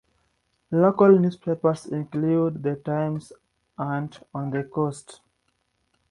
Local newspapers include "The Times" and "On The Coast".